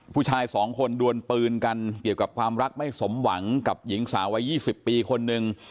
ผู้ชายสองคนดวนปืนกันเกี่ยวกับความรักไม่สมหวังกับหญิงสาววัย๒๐ปีคนนึง